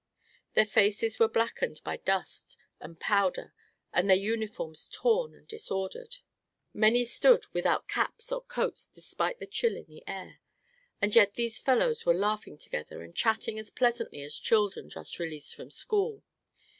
Their faces were blackened by dust and powder and their uniforms torn and disordered; many stood without caps or coats despite the chill in the air. And yet these fellows were laughing together and chatting as pleasantly as children just released from school.